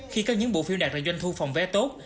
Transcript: khi có những bộ phim đạt được doanh thu phòng vé tốt